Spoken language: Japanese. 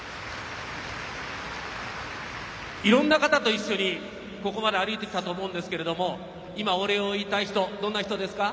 いろんな方と一緒にここまで歩いてきたと思うんですけれども今お礼を言いたい人どんな人ですか？